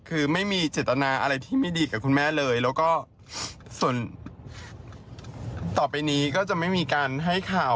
คือไม่มีเจตนาอะไรที่ไม่ดีกับคุณแม่เลยแล้วก็ส่วนต่อไปนี้ก็จะไม่มีการให้ข่าว